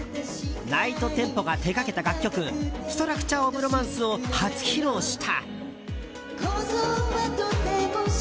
ＮｉｇｈｔＴｅｍｐｏが手がけた楽曲「ＳｔｒｕｃｔｕｒｅＯｆＲｏｍａｎｃｅ」を初披露した。